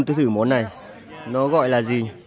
tôi thử món này nó gọi là gì